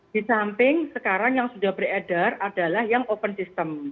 di samping sekarang yang sudah beredar adalah yang open system